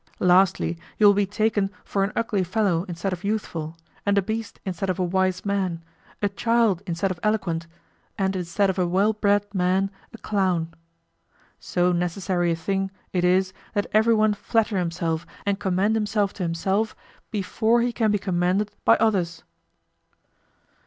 Lastly, you will be taken for an ugly fellow instead of youthful, and a beast instead of a wise man, a child instead of eloquent, and instead of a well bred man, a clown. So necessary a thing it is that everyone flatter himself and commend himself to himself before he can be commended by others.